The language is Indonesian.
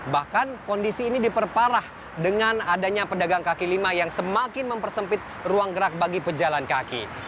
bahkan kondisi ini diperparah dengan adanya pedagang kaki lima yang semakin mempersempit ruang gerak bagi pejalan kaki